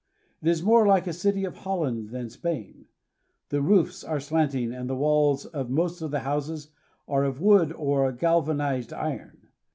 It is more like a city of Holland than Spain. The roofs are slanting, and the walls of most of the houses are of wood or galvanized iron.